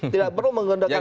tidak perlu menggunakan azas